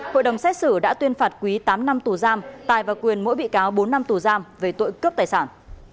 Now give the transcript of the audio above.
hội đồng xét xử đã tuyên phạt quý tám năm tù giam tài và quyền mỗi bị cáo bốn năm tù giam về tội cướp tài sản